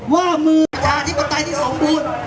ว่ามือประชาธิปไตยที่สมบูรณ์